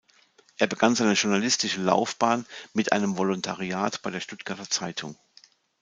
Er begann seine journalistische Laufbahn mit einem Volontariat bei der Stuttgarter Zeitung.